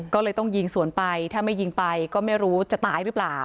ก็เลยต้องยิงสวนไปถ้าไม่ยิงไปก็ไม่รู้จะตายหรือเปล่า